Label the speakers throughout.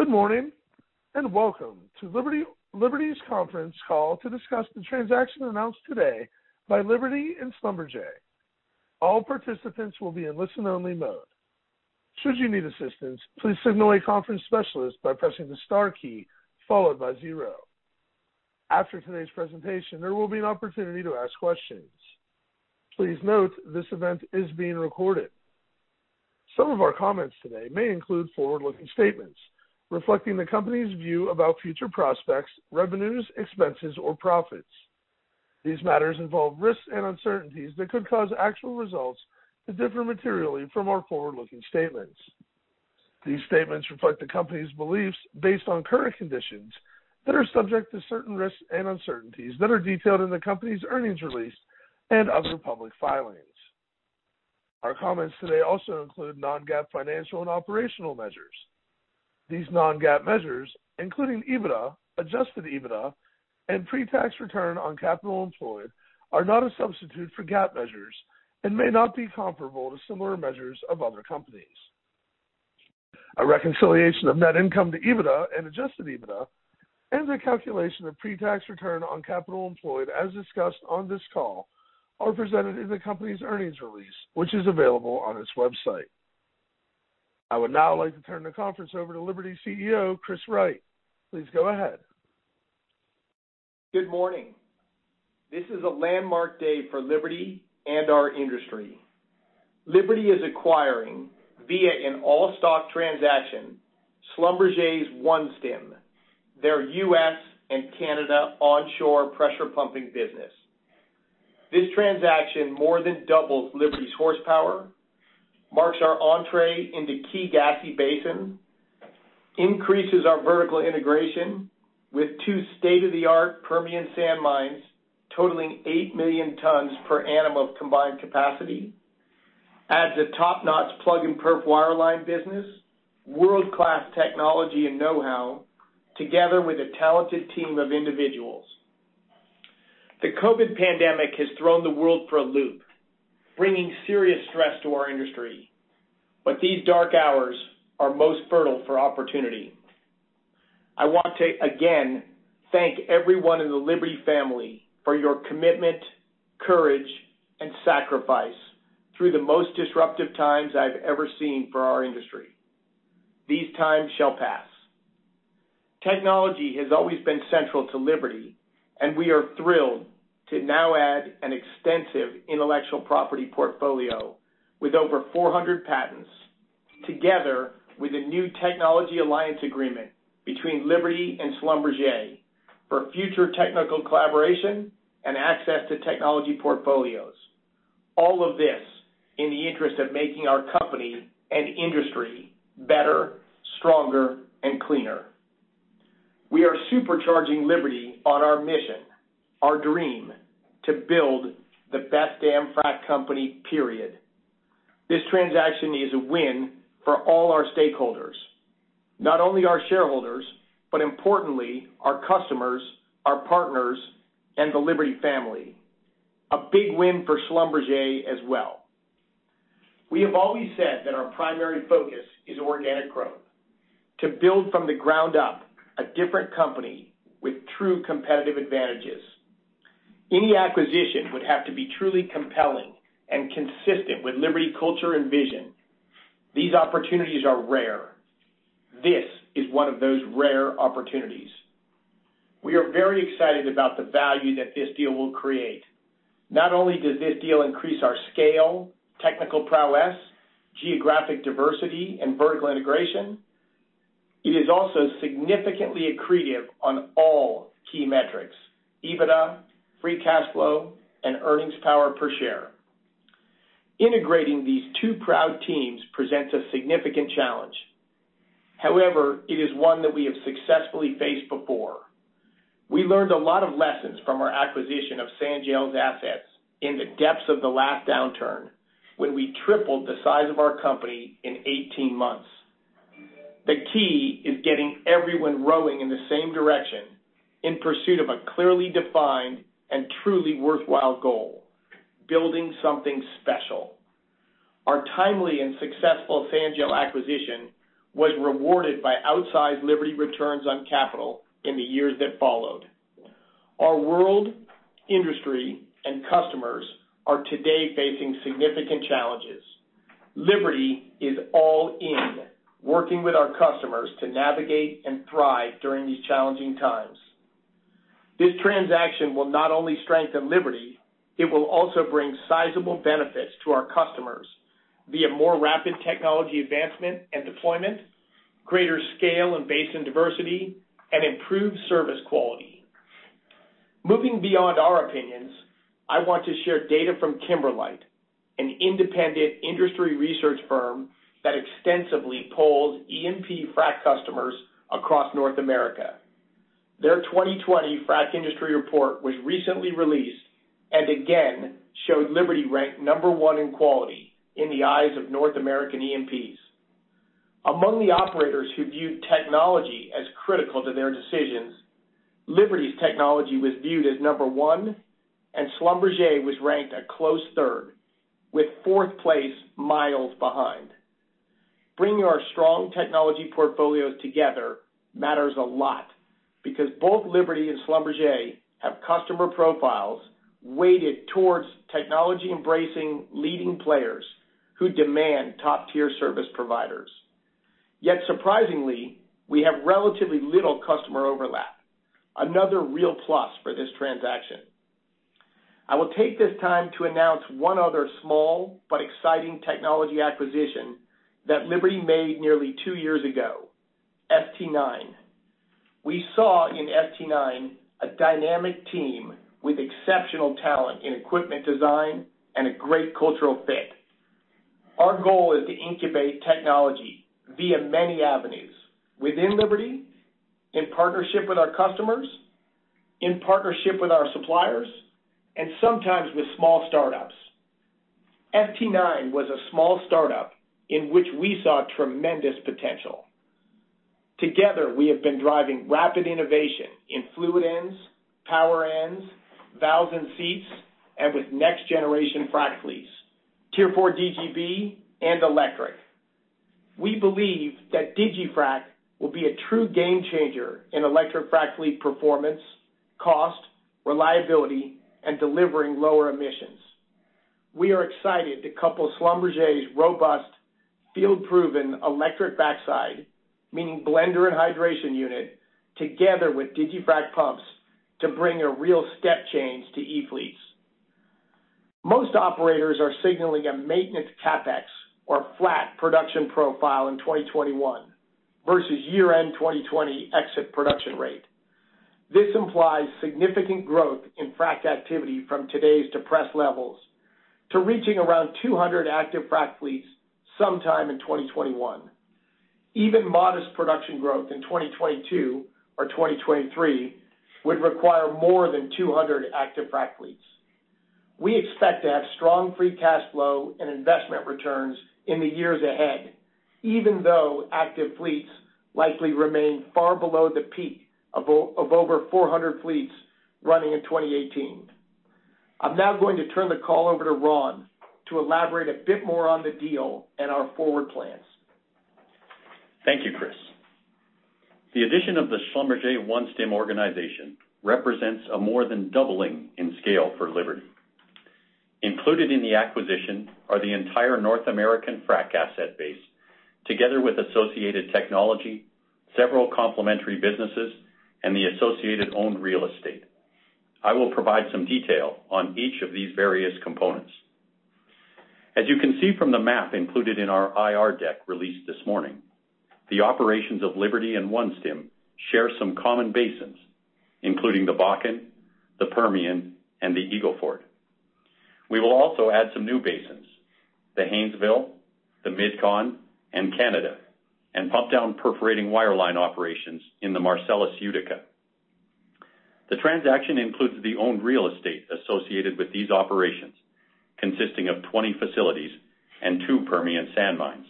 Speaker 1: Good morning, and welcome to Liberty's conference call to discuss the transaction announced today by Liberty and Schlumberger. All participants will be in listen only mode, should you need assistance please notify a conference specialist by pressing the star key. After today's presentation, there will be an opportunity to ask questions. Please note this event is being recorded. Some of our comments today may include forward-looking statements reflecting the company's view about future prospects, revenues, expenses, or profits. These matters involve risks and uncertainties that could cause actual results to differ materially from our forward-looking statements. These statements reflect the company's beliefs based on current conditions that are subject to certain risks and uncertainties that are detailed in the company's earnings release and other public filings. Our comments today also include non-GAAP financial and operational measures. These non-GAAP measures, including EBITDA, adjusted EBITDA, and pre-tax return on capital employed, are not a substitute for GAAP measures and may not be comparable to similar measures of other companies. A reconciliation of net income to EBITDA and adjusted EBITDA and the calculation of pre-tax return on capital employed as discussed on this call are presented in the company's earnings release, which is available on its website. I would now like to turn the conference over to Liberty's CEO, Chris Wright. Please go ahead.
Speaker 2: Good morning. This is a landmark day for Liberty and our industry. Liberty is acquiring, via an all-stock transaction, Schlumberger's OneStim, their U.S. and Canada onshore pressure pumping business. This transaction more than doubles Liberty's horsepower, marks our entry into key gassy basins, increases our vertical integration with two state-of-the-art Permian sand mines totaling 8 million tons per annum of combined capacity, adds a top-notch plug-and-perf wireline business, world-class technology and know-how, together with a talented team of individuals. The COVID pandemic has thrown the world for a loop, bringing serious stress to our industry. These dark hours are most fertile for opportunity. I want to again thank everyone in the Liberty Energy family for your commitment, courage, and sacrifice through the most disruptive times I've ever seen for our industry. These times shall pass. Technology has always been central to Liberty. We are thrilled to now add an extensive intellectual property portfolio with over 400 patents, together with a new technology alliance agreement between Liberty and Schlumberger for future technical collaboration and access to technology portfolios. All of this in the interest of making our company and industry better, stronger, and cleaner. We are supercharging Liberty on our mission, our dream to build the best damn frac company, period. This transaction is a win for all our stakeholders. Not only our shareholders, but importantly, our customers, our partners, and the Liberty family. A big win for Schlumberger as well. We have always said that our primary focus is organic growth. To build from the ground up a different company with true competitive advantages. Any acquisition would have to be truly compelling and consistent with Liberty culture and vision. These opportunities are rare. This is one of those rare opportunities. We are very excited about the value that this deal will create. Not only does this deal increase our scale, technical prowess, geographic diversity, and vertical integration, it is also significantly accretive on all key metrics: EBITDA, free cash flow, and earnings power per share. Integrating these two proud teams presents a significant challenge. However, it is one that we have successfully faced before. We learned a lot of lessons from our acquisition of Sanjel's assets in the depths of the last downturn when we tripled the size of our company in 18 months. The key is getting everyone rowing in the same direction in pursuit of a clearly defined and truly worthwhile goal, building something special. Our timely and successful Sanjel acquisition was rewarded by outsized Liberty returns on capital in the years that followed. Our world, industry, and customers are today facing significant challenges. Liberty is all in, working with our customers to navigate and thrive during these challenging times. This transaction will not only strengthen Liberty, it will also bring sizable benefits to our customers via more rapid technology advancement and deployment, greater scale and basin diversity, and improved service quality. Moving beyond our opinions, I want to share data from Kimberlite, an independent industry research firm that extensively polls E&P frac customers across North America. Their 2020 frac industry report was recently released and again showed Liberty ranked number one in quality in the eyes of North American E&Ps. Among the operators who viewed technology as critical to their decisions, Liberty's technology was viewed as number one, and Schlumberger was ranked a close third, with fourth place miles behind. Bringing our strong technology portfolios together matters a lot because both Liberty and Schlumberger have customer profiles weighted towards technology-embracing leading players who demand top-tier service providers. Surprisingly, we have relatively little customer overlap. Another real plus for this transaction. I will take this time to announce one other small but exciting technology acquisition that Liberty made nearly two years ago, ST9. We saw in ST9 a dynamic team with exceptional talent in equipment design and a great cultural fit. Our goal is to incubate technology via many avenues, within Liberty, in partnership with our customers, in partnership with our suppliers, and sometimes with small startups. ST9 was a small startup in which we saw tremendous potential. Together, we have been driving rapid innovation in fluid ends, power ends, valves and seats, and with next-generation frac fleets, Tier IV DGB, and electric. We believe that digiFrac will be a true game changer in electric frac fleet performance, cost, reliability, and delivering lower emissions. We are excited to couple Schlumberger's robust field-proven electric backside, meaning blender and hydration unit, together with digiFrac pumps to bring a real step change to e-fleets. Most operators are signaling a maintenance CapEx or flat production profile in 2021 versus year-end 2020 exit production rate. This implies significant growth in frac activity from today's depressed levels to reaching around 200 active frac fleets sometime in 2021. Even modest production growth in 2022 or 2023 would require more than 200 active frac fleets. We expect to have strong free cash flow and investment returns in the years ahead, even though active fleets likely remain far below the peak of over 400 fleets running in 2018. I'm now going to turn the call over to Ron to elaborate a bit more on the deal and our forward plans.
Speaker 3: Thank you, Chris. The addition of the Schlumberger OneStim organization represents a more than doubling in scale for Liberty. Included in the acquisition are the entire North American frac asset base, together with associated technology, several complementary businesses, and the associated owned real estate. I will provide some detail on each of these various components. As you can see from the map included in our IR deck released this morning, the operations of Liberty and OneStim share some common basins, including the Bakken, the Permian, and the Eagle Ford. We will also add some new basins: the Haynesville, the Midcon, and Canada, and pump down perforating wireline operations in the Marcellus/Utica. The transaction includes the owned real estate associated with these operations, consisting of 20 facilities and two Permian sand mines.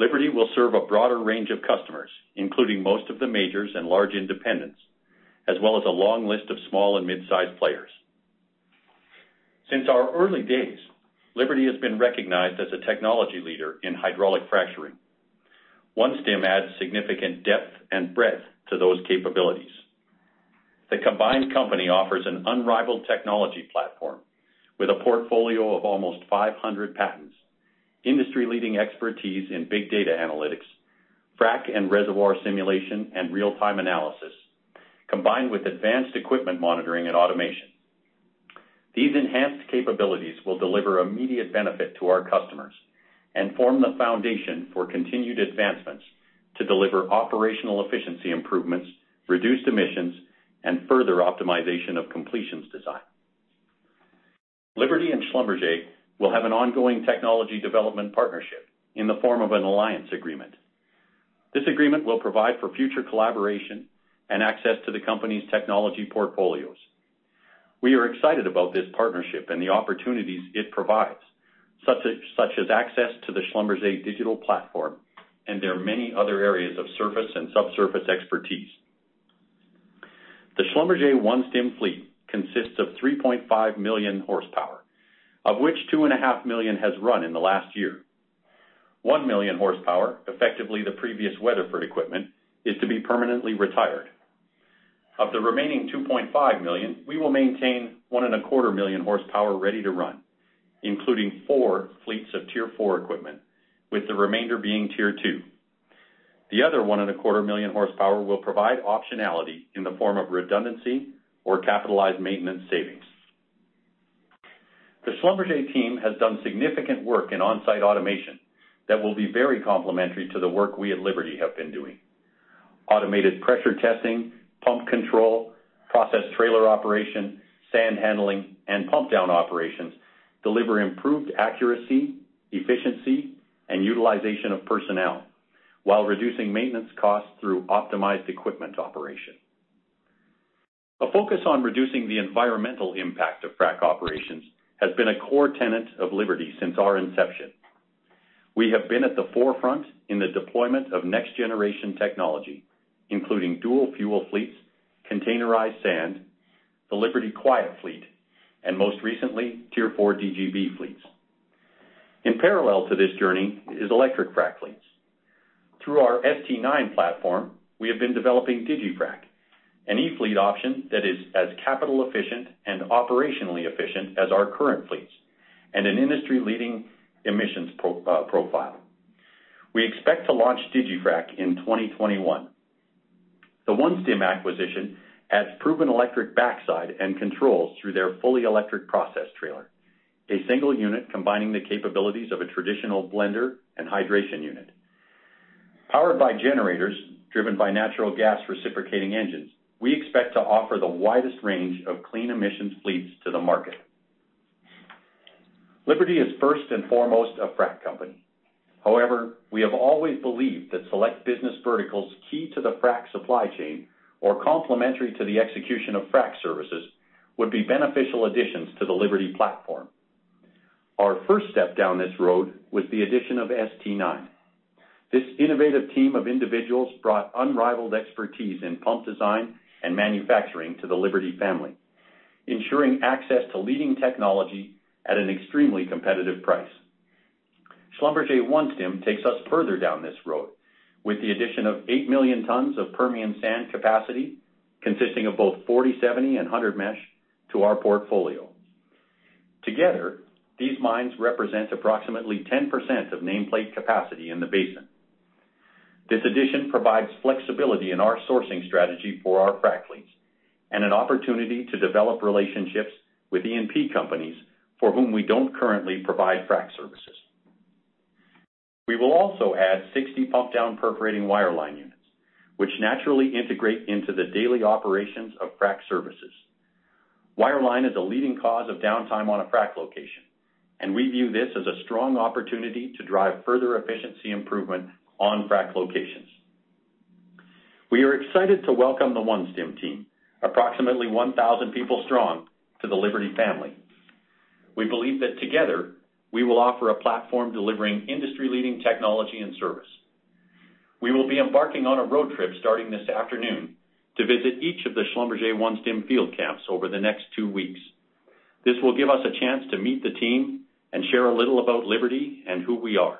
Speaker 3: Liberty will serve a broader range of customers, including most of the majors and large independents, as well as a long list of small and mid-sized players. Since our early days, Liberty has been recognized as a technology leader in hydraulic fracturing. OneStim adds significant depth and breadth to those capabilities. The combined company offers an unrivaled technology platform with a portfolio of almost 500 patents, industry-leading expertise in big data analytics, frac and reservoir simulation, and real-time analysis, combined with advanced equipment monitoring and automation. These enhanced capabilities will deliver immediate benefit to our customers and form the foundation for continued advancements to deliver operational efficiency improvements, reduced emissions, and further optimization of completions design. Liberty and Schlumberger will have an ongoing technology development partnership in the form of an alliance agreement. This agreement will provide for future collaboration and access to the company's technology portfolios. We are excited about this partnership and the opportunities it provides, such as access to the Schlumberger digital platform and their many other areas of surface and subsurface expertise. The Schlumberger OneStim fleet consists of 3.5 million horsepower, of which 2.5 million has run in the last year. 1 million horsepower, effectively the previous Weatherford equipment, is to be permanently retired. Of the remaining 2.5 million, we will maintain 1.25 million horsepower ready to run, including four fleets of Tier IV equipment, with the remainder being Tier II. The other 1.25 million horsepower will provide optionality in the form of redundancy or capitalized maintenance savings. The Schlumberger team has done significant work in on-site automation that will be very complementary to the work we at Liberty have been doing. Automated pressure testing, pump control, process trailer operation, sand handling, and pump down operations deliver improved accuracy, efficiency, and utilization of personnel while reducing maintenance costs through optimized equipment operation. A focus on reducing the environmental impact of frac operations has been a core tenet of Liberty since our inception. We have been at the forefront in the deployment of next-generation technology, including dual fuel fleets, containerized sand, the Liberty Quiet Fleet, and most recently, Tier IV DGB fleets. In parallel to this journey is electric frac fleets. Through our ST9 platform, we have been developing digiFrac, an e-fleet option that is as capital efficient and operationally efficient as our current fleets, and an industry-leading emissions profile. We expect to launch digiFrac in 2021. The OneStim acquisition adds proven electric backside and controls through their fully electric process trailer. A single unit combining the capabilities of a traditional blender and hydration unit. Powered by generators driven by natural gas reciprocating engines, we expect to offer the widest range of clean emissions fleets to the market. Liberty is first and foremost a frac company. However, we have always believed that select business verticals key to the frac supply chain, or complementary to the execution of frac services, would be beneficial additions to the Liberty platform. Our first step down this road was the addition of ST9. This innovative team of individuals brought unrivaled expertise in pump design and manufacturing to the Liberty family, ensuring access to leading technology at an extremely competitive price. Schlumberger OneStim takes us further down this road with the addition of 8 million tons of Permian sand capacity, consisting of both 40, 70 and 100 mesh to our portfolio. Together, these mines represent approximately 10% of nameplate capacity in the basin. This addition provides flexibility in our sourcing strategy for our frac fleets and an opportunity to develop relationships with E&P companies for whom we don't currently provide frac services. We will also add 60 pump down perforating wireline units, which naturally integrate into the daily operations of frac services. Wireline is a leading cause of downtime on a frac location, and we view this as a strong opportunity to drive further efficiency improvement on frac locations. We are excited to welcome the OneStim team, approximately 1,000 people strong, to the Liberty family. We believe that together we will offer a platform delivering industry leading technology and service. We will be embarking on a road trip starting this afternoon to visit each of the Schlumberger OneStim field camps over the next two weeks. This will give us a chance to meet the team and share a little about Liberty and who we are.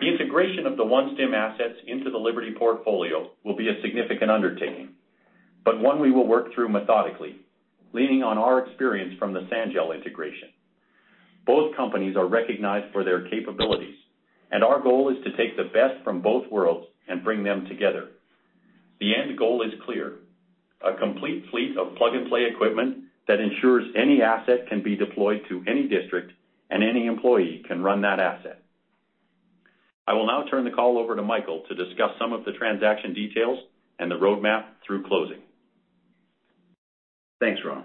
Speaker 3: The integration of the OneStim assets into the Liberty portfolio will be a significant undertaking, but one we will work through methodically, leaning on our experience from the Sanjel integration. Both companies are recognized for their capabilities, and our goal is to take the best from both worlds and bring them together. The end goal is clear: a complete fleet of plug-and-play equipment that ensures any asset can be deployed to any district and any employee can run that asset. I will now turn the call over to Michael to discuss some of the transaction details and the roadmap through closing.
Speaker 4: Thanks, Ron.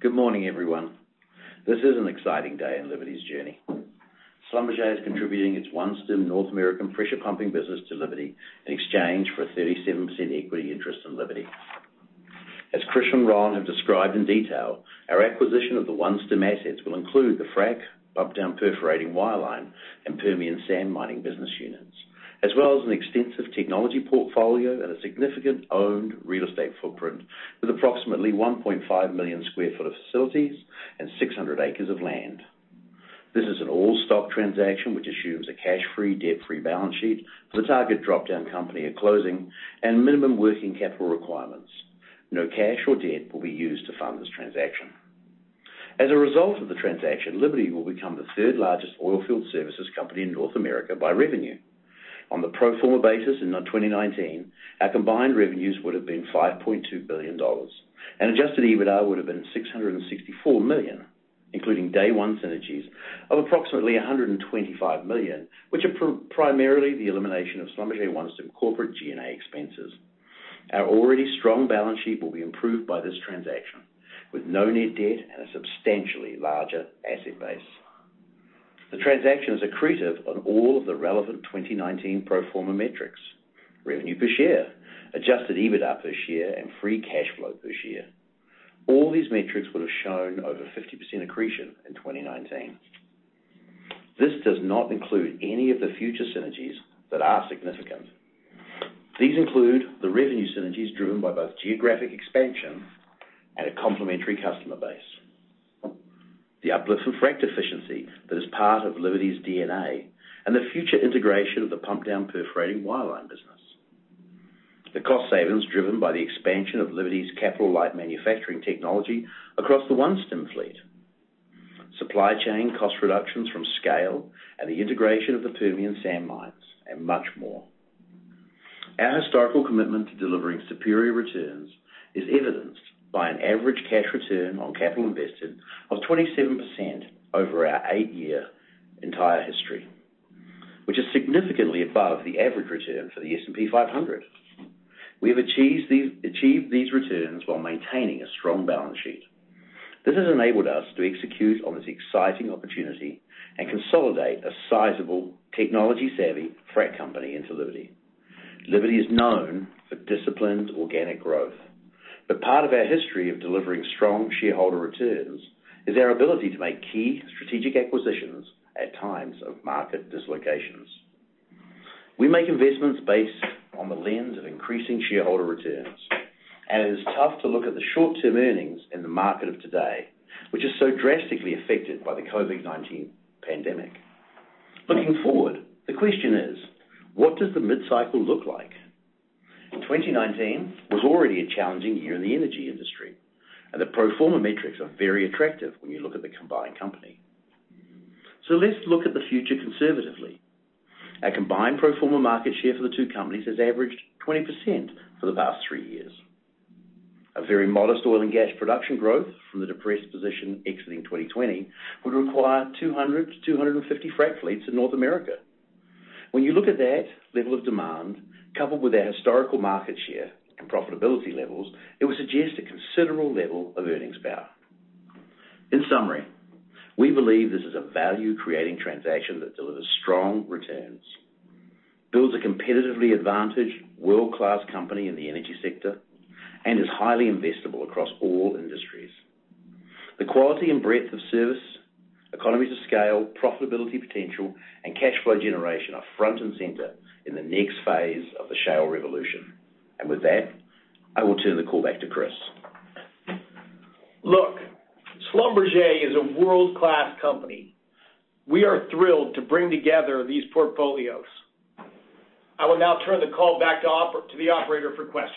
Speaker 4: Good morning, everyone. This is an exciting day in Liberty's journey. Schlumberger is contributing its OneStim North American pressure pumping business to Liberty in exchange for a 37% equity interest in Liberty. As Chris and Ron have described in detail, our acquisition of the OneStim assets will include the frac pump down, perforating wireline and Permian sand mining business units, as well as an extensive technology portfolio and a significant owned real estate footprint with approximately 1.5 million square foot of facilities and 600 acres of land. This is an all-stock transaction which assumes a cash-free, debt-free balance sheet for the target drop-down company at closing and minimum working capital requirements. No cash or debt will be used to fund this transaction. As a result of the transaction, Liberty will become the third largest oil field services company in North America by revenue. On the pro forma basis in 2019, our combined revenues would have been $5.2 billion and adjusted EBITDA would have been $664 million, including day one synergies of approximately $125 million, which are primarily the elimination of Schlumberger OneStim corporate G&A expenses. Our already strong balance sheet will be improved by this transaction with no net debt and a substantially larger asset base. The transaction is accretive on all of the relevant 2019 pro forma metrics. Revenue per share, adjusted EBITDA per share and free cash flow per share. All these metrics would have shown over 50% accretion in 2019. This does not include any of the future synergies that are significant. These include the revenue synergies driven by both geographic expansion and a complementary customer base. The uplift and frac efficiency that is part of Liberty's DNA and the future integration of the pump down perforating wireline business. The cost savings driven by the expansion of Liberty's capital light manufacturing technology across the OneStim fleet. Supply chain cost reductions from scale and the integration of the Permian sand mines and much more. Our historical commitment to delivering superior returns is evidenced by an average cash return on capital invested of 27% over our eight-year entire history, which is significantly above the average return for the S&P 500. We have achieved these returns while maintaining a strong balance sheet. This has enabled us to execute on this exciting opportunity and consolidate a sizable, technology savvy frac company into Liberty. Liberty is known for disciplined organic growth. Part of our history of delivering strong shareholder returns is our ability to make key strategic acquisitions at times of market dislocations. We make investments based on the lens of increasing shareholder returns, and it is tough to look at the short-term earnings in the market of today, which is so drastically affected by the COVID-19 pandemic. Looking forward, the question is. What does the mid-cycle look like? 2019 was already a challenging year in the energy industry, and the pro forma metrics are very attractive when you look at the combined company. Let's look at the future conservatively. A combined pro forma market share for the two companies has averaged 20% for the past three years. A very modest oil and gas production growth from the depressed position exiting 2020 would require 200-250 frac fleets in North America. When you look at that level of demand, coupled with our historical market share and profitability levels, it would suggest a considerable level of earnings power. In summary, we believe this is a value-creating transaction that delivers strong returns, builds a competitively advantaged world-class company in the energy sector, and is highly investable across all industries. The quality and breadth of service, economies of scale, profitability potential, and cash flow generation are front and center in the next phase of the shale revolution. With that, I will turn the call back to Chris.
Speaker 2: Look, Schlumberger is a world-class company. We are thrilled to bring together these portfolios. I will now turn the call back to the operator for questions.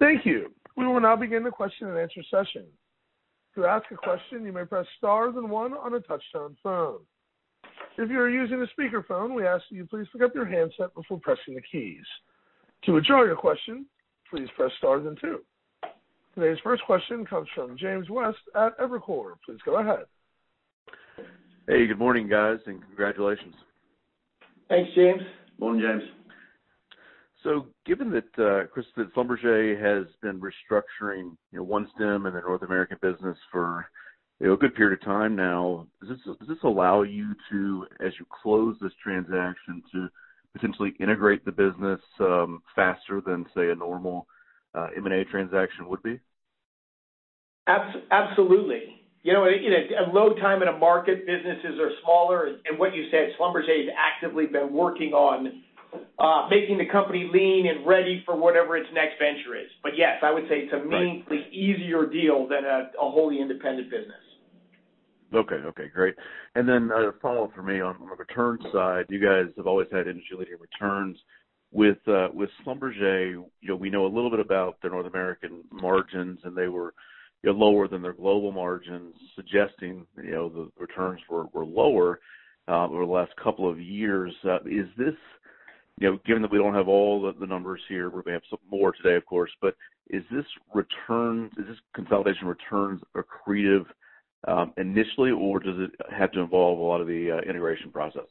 Speaker 1: Thank you. We will now begin the question and answer session. To ask a question you may press star then one on the touch tone phone, if you're you're using a speakerphone we ask you to please pick up your handset before pressing a key, to withdraw your question please press star then two. Today's first question comes from James West at Evercore. Please go ahead.
Speaker 5: Hey, good morning, guys, and congratulations.
Speaker 2: Thanks, James.
Speaker 4: Morning, James.
Speaker 5: Given that, Chris, that Schlumberger has been restructuring OneStim in their North American business for a good period of time now, does this allow you to, as you close this transaction, to potentially integrate the business faster than, say, a normal M&A transaction would be?
Speaker 2: Absolutely. At low time in a market, businesses are smaller. What you said, Schlumberger has actively been working on making the company lean and ready for whatever its next venture is. Yes, I would say it's a meaningfully easier deal than a wholly independent business.
Speaker 5: Okay, great. A follow-up for me on the returns side. You guys have always had returns. With Schlumberger, we know a little bit about their North American margins, and they were lower than their global margins, suggesting the returns were lower over the last couple of years. Given that we don't have all the numbers here, we may have some more today, of course, does this consolidation returns accretive initially, or does it have to involve a lot of the integration process?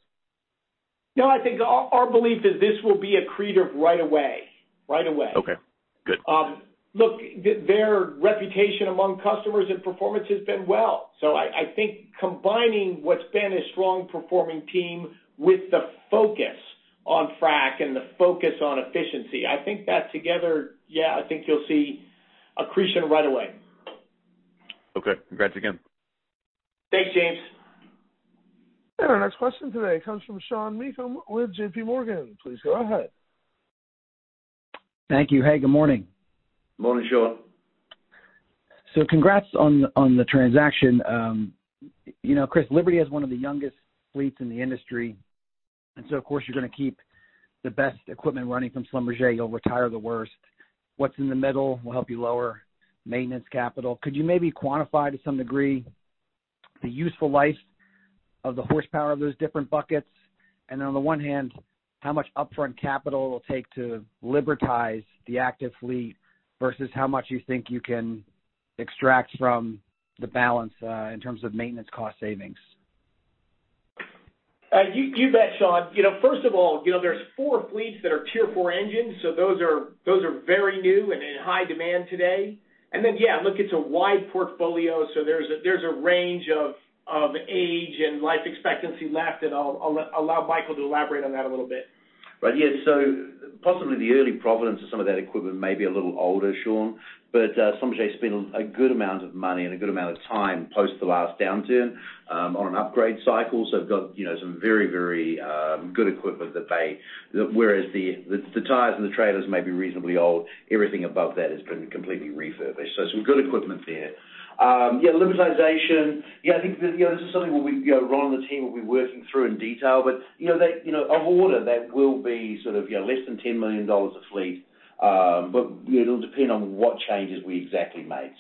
Speaker 2: No, I think our belief is this will be accretive right away.
Speaker 5: Okay, good.
Speaker 2: Look, their reputation among customers and performance has been well. I think combining what's been a strong performing team with the focus on frac and the focus on efficiency, I think that together, yeah, I think you'll see accretion right away.
Speaker 5: Okay. Congrats again.
Speaker 2: Thanks, James.
Speaker 1: Our next question today comes from Sean Meakim with JPMorgan. Please go ahead.
Speaker 6: Thank you. Hey, good morning.
Speaker 4: Morning, Sean.
Speaker 6: Congrats on the transaction. Chris, Liberty is one of the youngest fleets in the industry, of course, you're going to keep the best equipment running from Schlumberger. You'll retire the worst. What's in the middle will help you lower maintenance capital. Could you maybe quantify to some degree the useful life of the horsepower of those different buckets? On the one hand, how much upfront capital it'll take to libertize the active fleet versus how much you think you can extract from the balance in terms of maintenance cost savings?
Speaker 2: You bet, Sean. First of all, there's four fleets that are Tier IV engines, so those are very new and in high demand today. Yeah, look, it's a wide portfolio, so there's a range of age and life expectancy left, and I'll allow Michael to elaborate on that a little bit.
Speaker 4: Right, yeah. Possibly the early provenance of some of that equipment may be a little older, Sean, but Schlumberger spent a good amount of money and a good amount of time post the last downturn on an upgrade cycle. They've got some very good equipment whereas the tires and the trailers may be reasonably old, everything above that has been completely refurbished. Some good equipment there. Yeah, libertization, I think this is something where Ron and the team will be working through in detail. Of order, that will be less than $10 million a fleet. It'll depend on what changes we exactly made.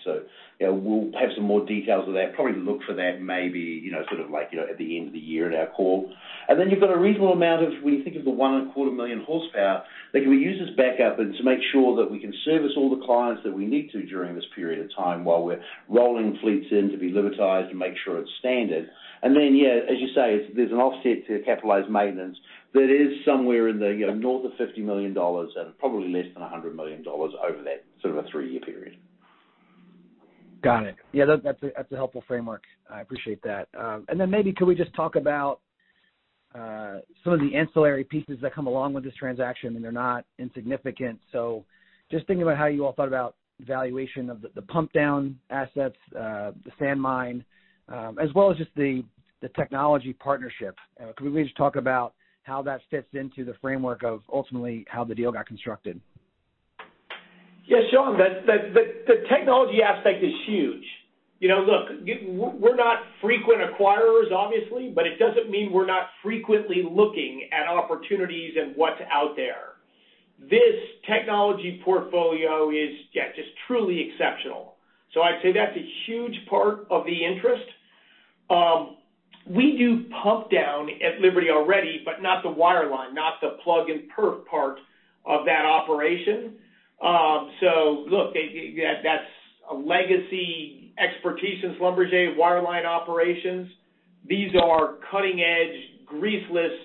Speaker 4: We'll have some more details of that. Probably look for that maybe at the end of the year at our call. You've got a reasonable amount of, when you think of the 1.25 million horsepower that can be used as backup and to make sure that we can service all the clients that we need to during this period of time while we're rolling fleets in to be libertized and make sure it's standard. Yeah, as you say, there's an offset to capitalized maintenance that is somewhere in the north of $50 million and probably less than $100 million over that three-year period.
Speaker 6: Got it. Yeah, that's a helpful framework. I appreciate that. Maybe could we just talk about some of the ancillary pieces that come along with this transaction, and they're not insignificant. Just thinking about how you all thought about valuation of the pump down assets, the sand mine, as well as just the technology partnership. Could we just talk about how that fits into the framework of ultimately how the deal got constructed?
Speaker 2: Yeah, Sean, the technology aspect is huge. Look, we're not frequent acquirers, obviously, but it doesn't mean we're not frequently looking at opportunities and what's out there. This technology portfolio is just truly exceptional. I'd say that's a huge part of the interest. We do pump down at Liberty already, not the wireline, not the plug-and-perf part of that operation. Look, that's a legacy expertise since Schlumberger wireline operations. These are cutting-edge greaseless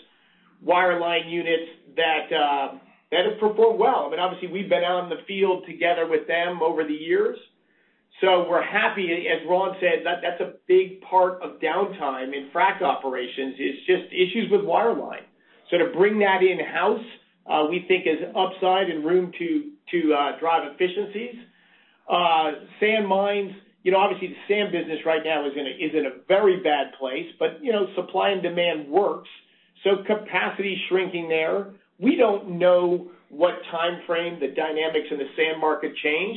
Speaker 2: wireline units that have performed well. I mean, obviously, we've been out in the field together with them over the years, we're happy. As Ron said, that's a big part of downtime in frac operations is just issues with wireline. To bring that in-house, we think is upside and room to drive efficiencies. Sand mines, obviously, the sand business right now is in a very bad place. Supply and demand works, so capacity is shrinking there. We don't know what timeframe the dynamics in the sand market change,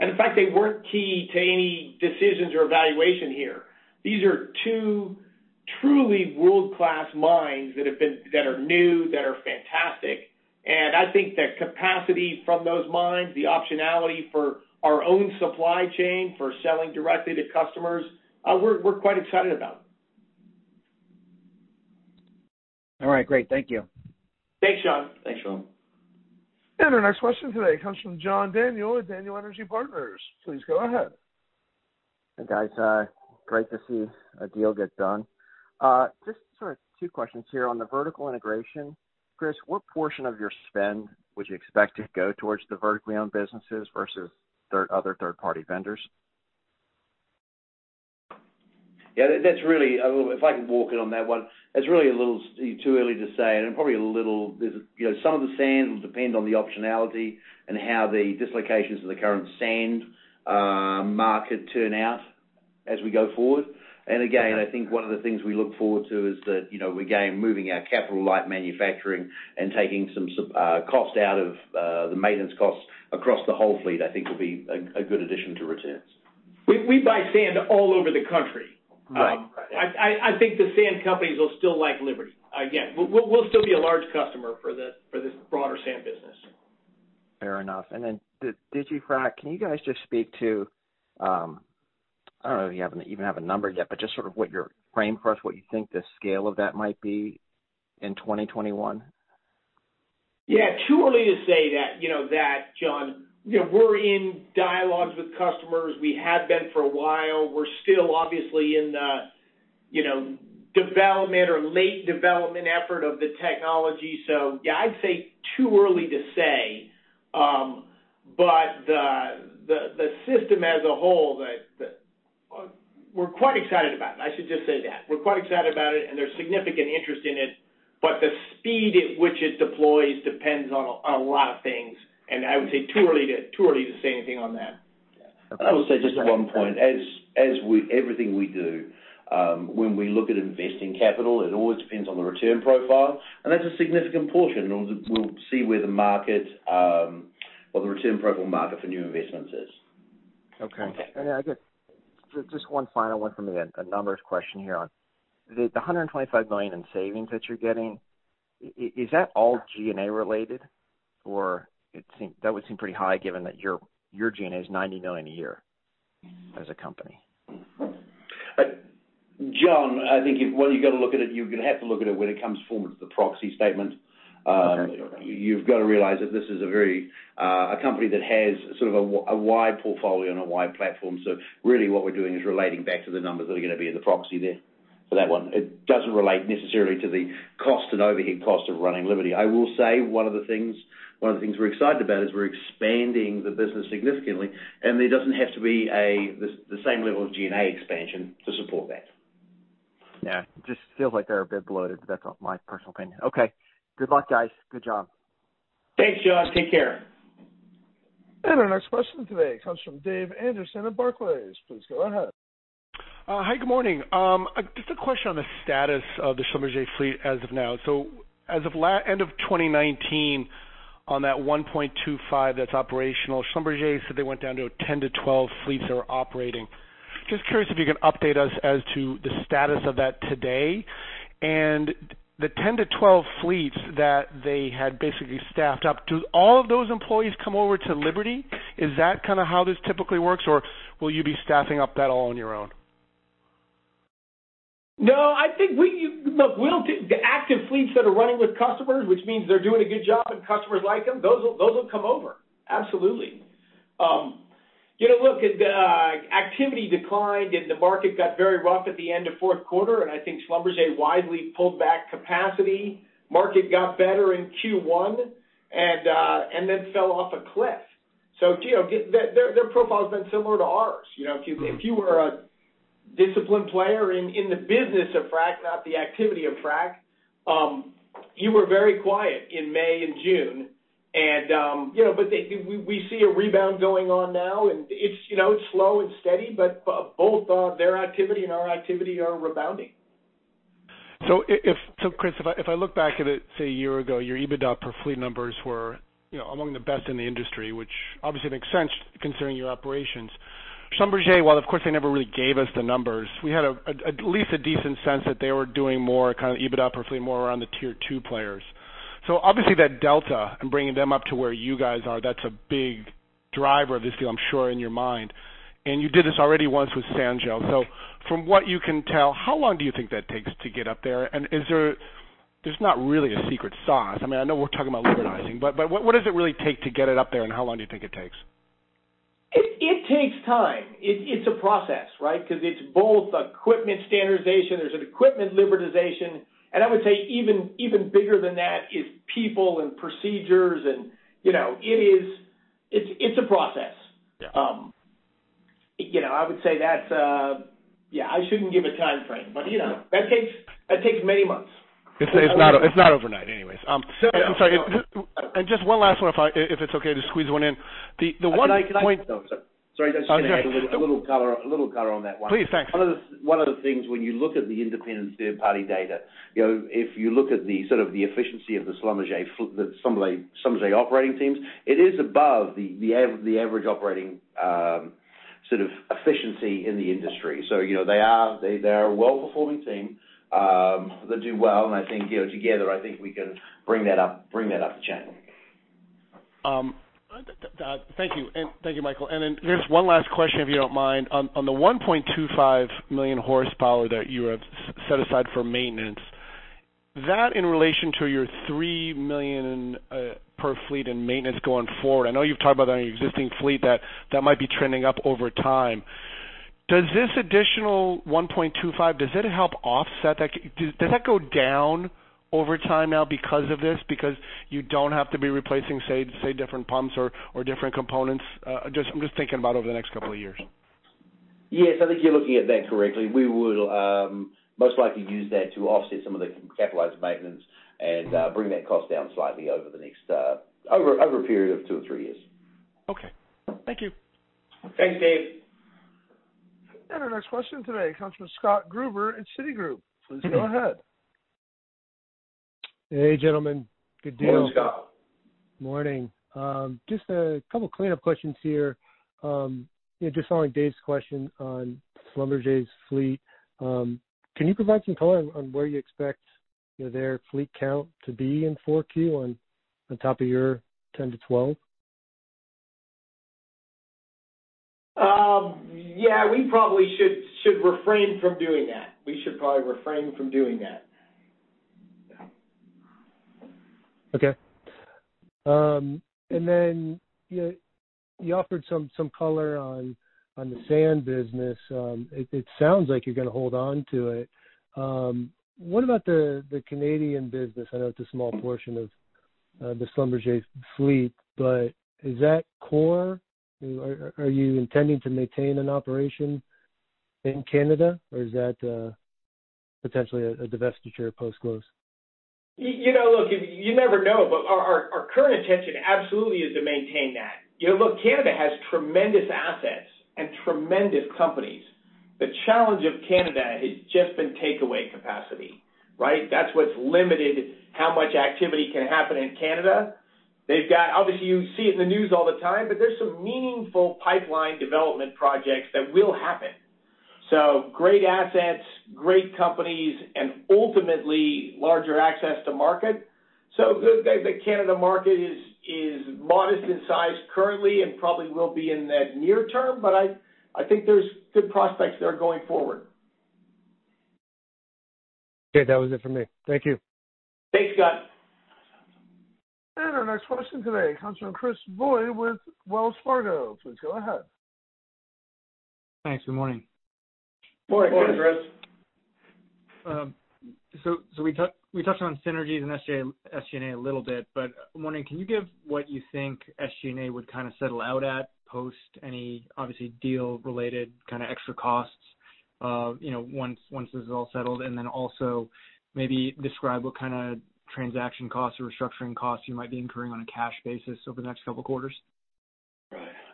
Speaker 2: and in fact, they weren't key to any decisions or valuation here. These are two truly world-class mines that are new, that are fantastic, and I think the capacity from those mines, the optionality for our own supply chain, for selling directly to customers, we're quite excited about.
Speaker 6: All right, great. Thank you.
Speaker 2: Thanks, Sean.
Speaker 4: Thanks, Sean.
Speaker 1: Our next question today comes from John Daniel with Daniel Energy Partners. Please go ahead.
Speaker 7: Hey, guys. Great to see a deal get done. Just sort of two questions here on the vertical integration. Chris, what portion of your spend would you expect to go towards the vertically owned businesses versus other third-party vendors?
Speaker 4: Yeah, if I can walk in on that one, that's really a little too early to say, and probably some of the sand will depend on the optionality and how the dislocations of the current sand market turn out as we go forward. Again, I think one of the things we look forward to is that, again, moving our capital light manufacturing and taking some cost out of the maintenance costs across the whole fleet, I think will be a good addition to returns.
Speaker 2: We buy sand all over the country.
Speaker 7: Right.
Speaker 2: I think the sand companies will still like Liberty. Again, we'll still be a large customer for this broader sand business.
Speaker 7: Fair enough, digiFrac, can you guys just speak to, I don't know if you even have a number yet, but just sort of what your frame for us, what you think the scale of that might be in 2021?
Speaker 2: Too early to say that, John. We're in dialogues with customers. We have been for a while. We're still obviously in the development or late development effort of the technology. I'd say too early to say, but the system as a whole, we're quite excited about it. I should just say that. We're quite excited about it, and there's significant interest in it, but the speed at which it deploys depends on a lot of things, and I would say too early to say anything on that.
Speaker 4: I would say just one point. As with everything we do, when we look at investing capital, it always depends on the return profile, and that's a significant portion. We'll see where the market or the return profile market for new investments is.
Speaker 7: Okay. I guess just one final one from me, then. A numbers question here. The $125 million in savings that you're getting, is that all G&A related? That would seem pretty high given that your G&A is $90 million a year as a company.
Speaker 4: John, I think the way you got to look at it, you're going to have to look at it when it comes forward to the proxy statement. You've got to realize that this is a company that has sort of a wide portfolio and a wide platform. Really what we're doing is relating back to the numbers that are going to be in the proxy there for that one. It doesn't relate necessarily to the cost and overhead cost of running Liberty. I will say one of the things we're excited about is we're expanding the business significantly, and there doesn't have to be the same level of G&A expansion to support that.
Speaker 7: It just feels like they're a bit bloated, but that's my personal opinion. Okay. Good luck, guys. Good job.
Speaker 2: Thanks, John. Take care.
Speaker 1: Our next question today comes from Dave Anderson of Barclays. Please go ahead.
Speaker 8: Hi. Good morning. Just a question on the status of the Schlumberger fleet as of now. As of end of 2019, on that 1.25 million that's operational, Schlumberger said they went down to 10-12 fleets that were operating. Just curious if you can update us as to the status of that today, and the 10-12 fleets that they had basically staffed up, do all of those employees come over to Liberty? Is that kind of how this typically works, or will you be staffing up that all on your own?
Speaker 2: No, I think the active fleets that are running with customers, which means they're doing a good job and customers like them, those will come over. Absolutely. Look, activity declined and the market got very rough at the end of fourth quarter, and I think Schlumberger widely pulled back capacity. Market got better in Q1. Fell off a cliff. Their profile's been similar to ours. If you were a disciplined player in the business of frac, not the activity of frac, you were very quiet in May and June. We see a rebound going on now, and it's slow and steady, but both their activity and our activity are rebounding.
Speaker 8: Chris, if I look back at it, say, a year ago, your EBITDA per fleet numbers were among the best in the industry, which obviously makes sense considering your operations. Schlumberger, while of course they never really gave us the numbers, we had at least a decent sense that they were doing more kind of EBITDA per fleet more around the Tier II players. Obviously that delta and bringing them up to where you guys are, that's a big driver of this deal, I'm sure, in your mind. You did this already once with Sanjel. From what you can tell, how long do you think that takes to get up there? There's not really a secret sauce. I know we're talking about libertizing, but what does it really take to get it up there, and how long do you think it takes?
Speaker 2: It takes time. It's a process, right? Because it's both equipment standardization, there's an equipment libertization, and I would say even bigger than that is people and procedures and it's a process. I would say, Yeah, I shouldn't give a timeframe, but that takes many months.
Speaker 8: It's not overnight anyways. I'm sorry. Just one last one, if it's okay to squeeze one in.
Speaker 4: Oh, sorry.
Speaker 8: Oh, go ahead.
Speaker 4: A little color on that one.
Speaker 8: Please. Thanks.
Speaker 4: One of the things when you look at the independent third-party data, if you look at the sort of the efficiency of the Schlumberger operating teams, it is above the average operating sort of efficiency in the industry. They are a well-performing team that do well, and I think together, I think we can bring that up to channel.
Speaker 8: Thank you, Michael. Then just one last question, if you don't mind. On the 1.25 million horsepower that you have set aside for maintenance, that in relation to your 3 million per fleet in maintenance going forward, I know you've talked about that existing fleet that might be trending up over time. Does this additional 1.25, does that help offset that? Does that go down over time now because of this? Because you don't have to be replacing, say, different pumps or different components? I'm just thinking about over the next couple of years.
Speaker 4: Yes, I think you're looking at that correctly. We would most likely use that to offset some of the capitalized maintenance and bring that cost down slightly over a period of two or three years.
Speaker 8: Okay. Thank you.
Speaker 2: Thanks, Dave.
Speaker 1: Our next question today comes from Scott Gruber in Citigroup. Please go ahead.
Speaker 9: Hey, gentlemen. Good deal.
Speaker 2: Morning, Scott.
Speaker 9: Morning. Just a couple clean-up questions here. Just following Dave's question on Schlumberger's fleet, can you provide some color on where you expect their fleet count to be in 4Q on top of your 10-12?
Speaker 2: Yeah, we probably should refrain from doing that. We should probably refrain from doing that.
Speaker 9: Okay. Then you offered some color on the sand business. It sounds like you're going to hold on to it. What about the Canadian business? I know it's a small portion of the Schlumberger fleet, is that core? Are you intending to maintain an operation in Canada, or is that potentially a divestiture post-close?
Speaker 2: Look, you never know, but our current intention absolutely is to maintain that. Look, Canada has tremendous assets and tremendous companies. The challenge of Canada has just been takeaway capacity, right? That's what's limited how much activity can happen in Canada. They've got, obviously, you see it in the news all the time, but there's some meaningful pipeline development projects that will happen. Great assets, great companies, and ultimately larger access to market. The Canada market is modest in size currently and probably will be in that near term, but I think there's good prospects there going forward.
Speaker 9: Okay, that was it for me. Thank you.
Speaker 2: Thanks, Scott.
Speaker 1: Our next question today comes from Chris Boyd with Wells Fargo. Please go ahead.
Speaker 10: Thanks. Good morning.
Speaker 2: Morning, Chris.
Speaker 10: We touched on synergies and SG&A a little bit, but I'm wondering, can you give what you think SG&A would kind of settle out at post any obviously deal-related kind of extra costs once this is all settled? And then also maybe describe what kind of transaction costs or restructuring costs you might be incurring on a cash basis over the next couple of quarters.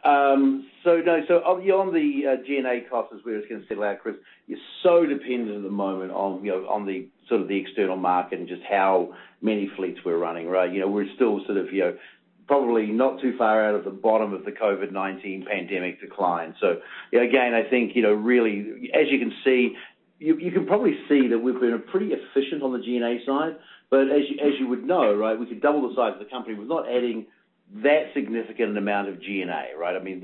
Speaker 4: Right. Beyond the G&A costs as we were going to settle out, Chris, it's so dependent at the moment on the sort of the external market and just how many fleets we're running, right? We're still sort of probably not too far out of the bottom of the COVID-19 pandemic decline. Again, I think really, as you can see, you can probably see that we've been pretty efficient on the G&A side, but as you would know, right, we could double the size of the company. We're not adding that significant amount of G&A, right? I mean,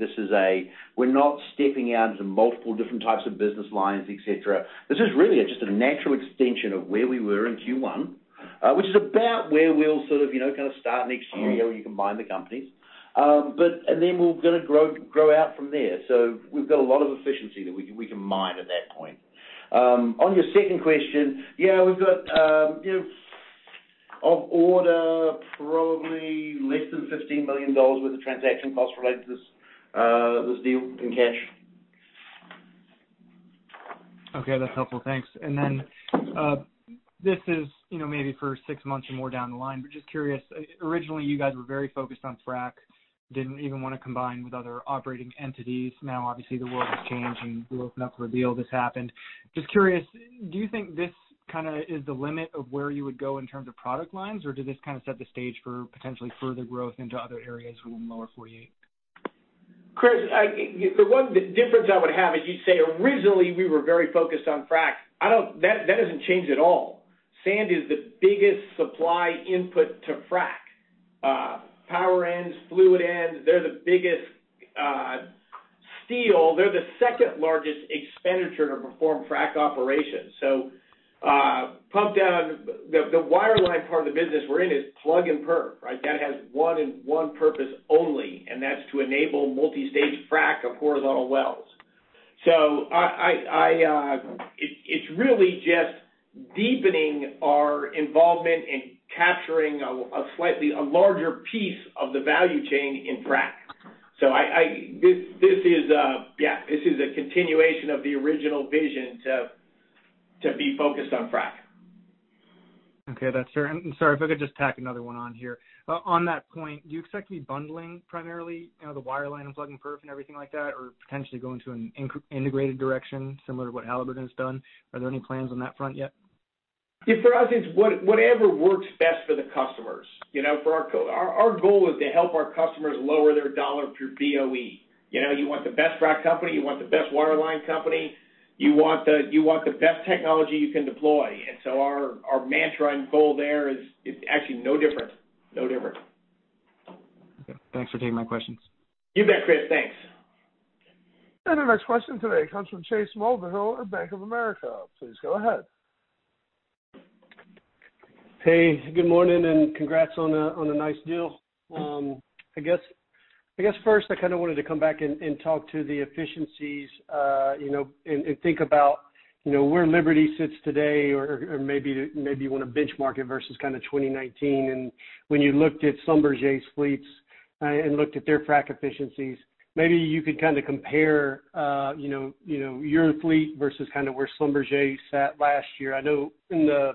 Speaker 4: we're not stepping out into multiple different types of business lines, et cetera. This is really just a natural extension of where we were in Q1 which is about where we'll sort of start next year when you combine the companies. We're going to grow out from there. We've got a lot of efficiency that we can mine at that point. On your second question, yeah, we've got of order probably less than $15 million worth of transaction costs related to this deal in cash.
Speaker 10: Okay. That's helpful. Thanks. This is maybe for six months or more down the line, but just curious, originally, you guys were very focused on frac, didn't even want to combine with other operating entities. Now, obviously, the world has changed, and you opened up for a deal, this happened. Just curious, do you think this is the limit of where you would go in terms of product lines, or did this set the stage for potentially further growth into other areas within lower 48?
Speaker 2: Chris, the one difference I would have is you say, originally, we were very focused on frac. That doesn't change at all. Sand is the biggest supply input to frac. Power ends, fluid ends, they're the biggest. Steel, they're the second-largest expenditure to perform frac operations. Pump down, the wireline part of the business we're in is plug-and-perf. That has one and one purpose only, and that's to enable multi-stage frac of horizontal wells. It's really just deepening our involvement in capturing a slightly larger piece of the value chain in frac. This is a continuation of the original vision to be focused on frac.
Speaker 10: Okay. That's fair. Sorry, if I could just tack another one on here. On that point, do you expect to be bundling primarily, the wireline and plug-and-perf and everything like that? Potentially going to an integrated direction, similar to what Halliburton's done? Are there any plans on that front yet?
Speaker 2: For us, it's whatever works best for the customers. Our goal is to help our customers lower their dollar per BOE. You want the best frac company, you want the best wireline company. You want the best technology you can deploy. Our mantra and goal there is actually no different.
Speaker 10: Okay. Thanks for taking my questions.
Speaker 2: You bet, Chris. Thanks.
Speaker 1: Our next question today comes from Chase Mulvihill at Bank of America. Please go ahead.
Speaker 11: Hey, good morning. Congrats on a nice deal. I guess first, I kind of wanted to come back and talk to the efficiencies and think about where Liberty sits today, or maybe you want to benchmark it versus kind of 2019. When you looked at Schlumberger's fleets and looked at their frac efficiencies, maybe you could kind of compare your fleet versus where Schlumberger sat last year. I know in the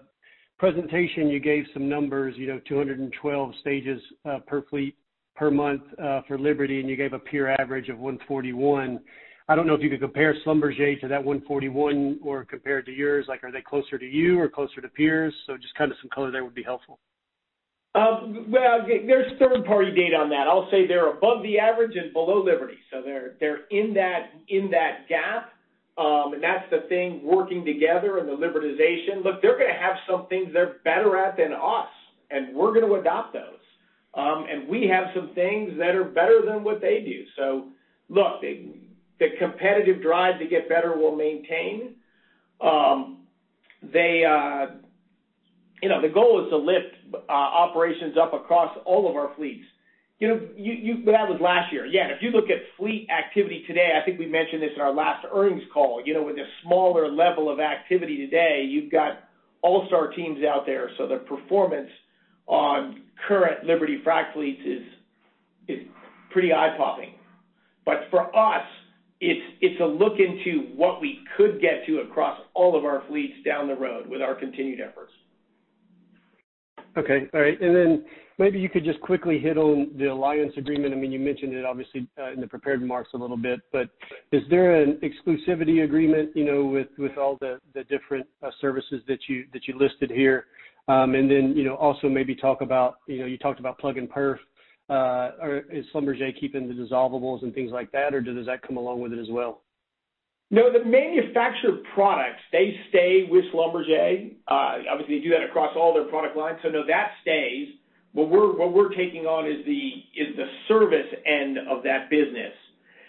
Speaker 11: presentation, you gave some numbers, 212 stages per fleet per month for Liberty, and you gave a peer average of 141. I don't know if you could compare Schlumberger to that 141 or compare it to yours. Are they closer to you or closer to peers? Just kind of some color there would be helpful.
Speaker 2: Well, there's third-party data on that. I'll say they're above the average and below Liberty. They're in that gap, and that's the thing, working together and the libertization. Look, they're gonna have some things they're better at than us, and we're gonna adopt those. We have some things that are better than what they do. Look, the competitive drive to get better will maintain. The goal is to lift operations up across all of our fleets. That was last year. Yeah, if you look at fleet activity today, I think we mentioned this in our last earnings call. With the smaller level of activity today, you've got all-star teams out there, so the performance on current Liberty frac fleets is pretty eye-popping. For us, it's a look into what we could get to across all of our fleets down the road with our continued efforts.
Speaker 11: Okay. All right. Maybe you could just quickly hit on the alliance agreement. You mentioned it obviously in the prepared remarks a little bit. Is there an exclusivity agreement with all the different services that you listed here? Also maybe talk about, you talked about plug-and-perf. Is Schlumberger keeping the dissolvables and things like that, or does that come along with it as well?
Speaker 2: No, the manufactured products, they stay with Schlumberger. Obviously, they do that across all their product lines. No, that stays. What we're taking on is the service end of that business.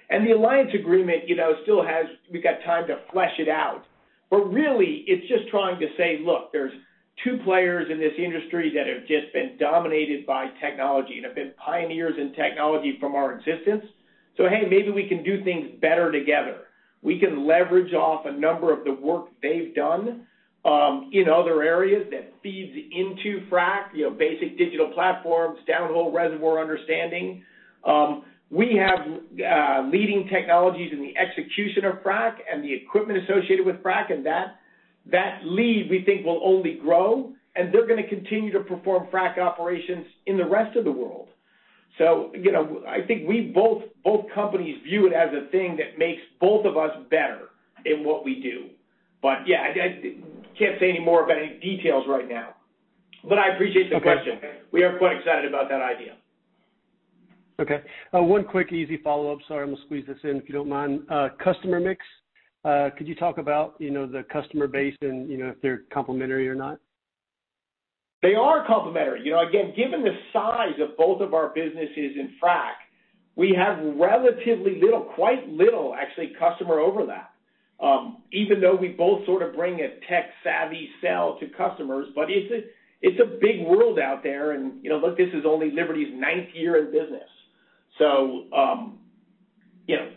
Speaker 2: The alliance agreement, we've got time to flesh it out. Really, it's just trying to say, look, there's two players in this industry that have just been dominated by technology and have been pioneers in technology from our existence. Hey, maybe we can do things better together. We can leverage off a number of the work they've done in other areas that feeds into frac, basic digital platforms, downhole reservoir understanding. We have leading technologies in the execution of frac and the equipment associated with frac, and that lead, we think, will only grow, and they're gonna continue to perform frac operations in the rest of the world. I think both companies view it as a thing that makes both of us better in what we do. Yeah, I can't say any more about any details right now, but I appreciate the question.
Speaker 11: Okay.
Speaker 2: We are quite excited about that idea.
Speaker 11: Okay. One quick, easy follow-up. Sorry, I'm gonna squeeze this in, if you don't mind. Customer mix, could you talk about the customer base and if they're complementary or not?
Speaker 2: They are complementary. Again, given the size of both of our businesses in frac, we have relatively little, quite little, actually, customer overlap. We both sort of bring a tech savvy sell to customers. It's a big world out there. Look, this is only Liberty's ninth year in business. Yeah.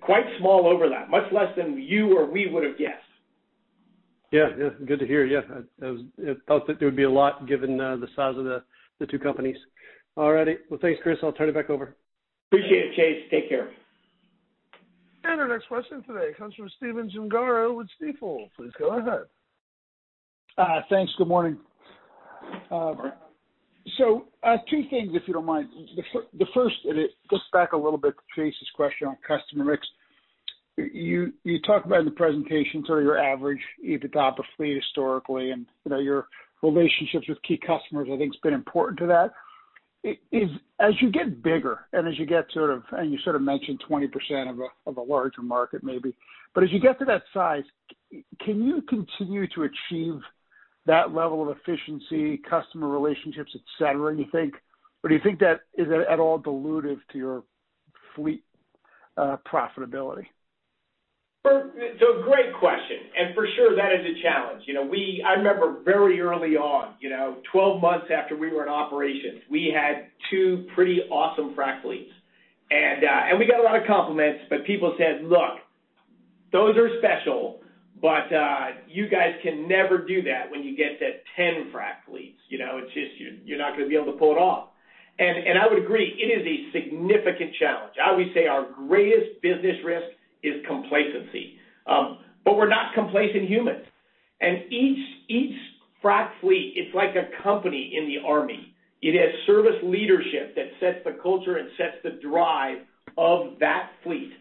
Speaker 2: Quite small overlap. Much less than you or we would have guessed.
Speaker 11: Yeah. Good to hear. Yeah. I thought that there would be a lot given the size of the two companies. All righty. Well, thanks, Chris. I'll turn it back over.
Speaker 2: Appreciate it, Chase. Take care.
Speaker 1: Our next question today comes from Stephen Gengaro with Stifel. Please go ahead.
Speaker 12: Thanks. Good morning. Two things, if you don't mind. The first, and it goes back a little bit to Chase's question on customer mix. You talked about in the presentation, sort of your average EBITDA per fleet historically, and your relationships with key customers I think has been important to that. As you get bigger and as you get, you sort of mentioned 20% of a larger market maybe, but as you get to that size, can you continue to achieve that level of efficiency, customer relationships, et cetera, do you think? Or do you think that is at all dilutive to your fleet profitability?
Speaker 2: Great question, and for sure that is a challenge. I remember very early on, 12 months after we were in operation, we had two pretty awesome frac fleets. And we got a lot of compliments, but people said, look, those are special, but you guys can never do that when you get to 10 frac fleets. You're not going to be able to pull it off. And I would agree, it is a significant challenge. I always say our greatest business risk is complacency. But we're not complacent humans. And each frac fleet, it's like a company in the army. It has service leadership that sets the culture and sets the drive of that fleet.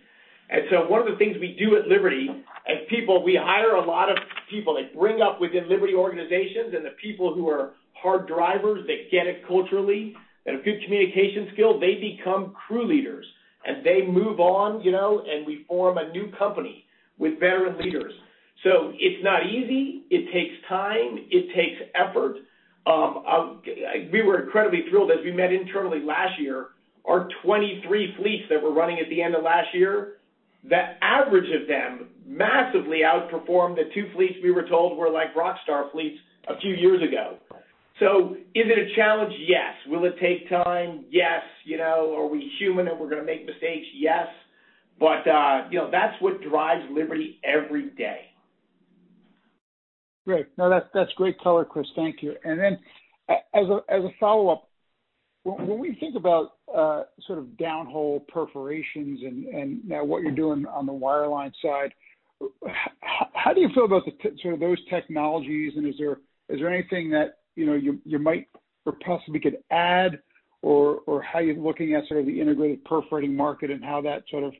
Speaker 2: One of the things we do at Liberty, as people, we hire a lot of people that bring up within Liberty organizations, and the people who are hard drivers, they get it culturally. They have good communication skill, they become crew leaders, and they move on, and we form a new company with veteran leaders. It's not easy. It takes time. It takes effort. We were incredibly thrilled as we met internally last year. Our 23 fleets that were running at the end of last year, the average of them massively outperformed the two fleets we were told were like rockstar fleets a few years ago. Is it a challenge? Yes. Will it take time? Yes. Are we human and we're going to make mistakes? Yes. That's what drives Liberty every day.
Speaker 12: Great. No, that's great color, Chris. Thank you. As a follow-up, when we think about sort of downhole perforations and now what you're doing on the wireline side, how do you feel about sort of those technologies and is there anything that you might or possibly could add? How are you looking at sort of the integrated perforating market and how that sort of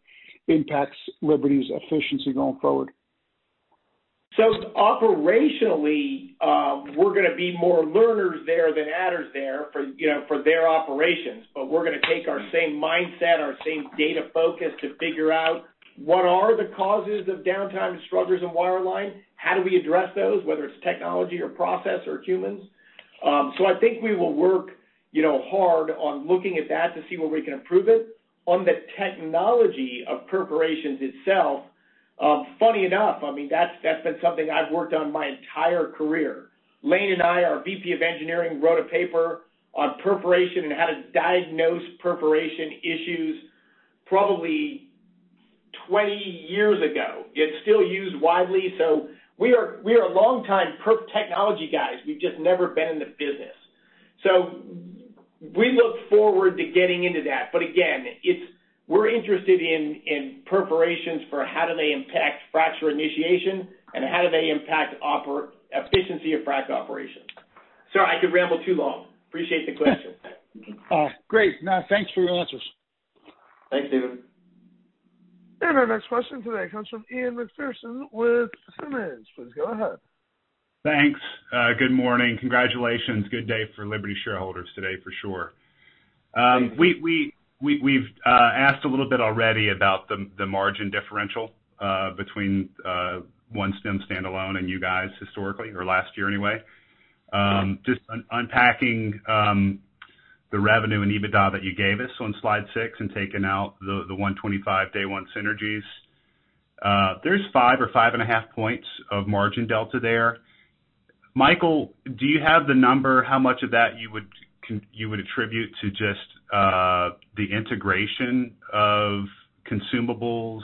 Speaker 12: impacts Liberty's efficiency going forward?
Speaker 2: Operationally, we're going to be more learners there than adders there for their operations. We're going to take our same mindset, our same data focus to figure out what are the causes of downtime struggles in wireline, how do we address those, whether it's technology or process or humans. I think we will work hard on looking at that to see where we can improve it. On the technology of perforations itself, funny enough, that's been something I've worked on my entire career. Leen and I, our VP of Engineering, wrote a paper on perforation and how to diagnose perforation issues probably 20 years ago. It's still used widely. We are longtime perf technology guys. We've just never been in the business. We look forward to getting into that. Again, we're interested in perforations for how do they impact fracture initiation and how do they impact efficiency of frac operations. Sorry, I could ramble too long. Appreciate the question.
Speaker 12: Great. No, thanks for your answers.
Speaker 2: Thanks, Stephen.
Speaker 1: Our next question today comes from Ian Macpherson with Simmons. Please go ahead.
Speaker 13: Thanks. Good morning. Congratulations. Good day for Liberty shareholders today, for sure. We've asked a little bit already about the margin differential between OneStim standalone and you guys historically or last year anyway. Just unpacking the revenue and EBITDA that you gave us on slide six and taking out the $125 million day one synergies. There's five or 5.5 Points of margin delta there. Michael, do you have the number, how much of that you would attribute to just the integration of consumables,